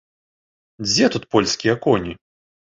Дзе тут польскія коні?